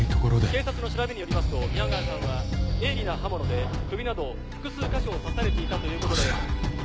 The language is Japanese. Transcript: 警察の調べによりますと宮川さんは鋭利な刃物で首など複数カ所を刺されていたということで。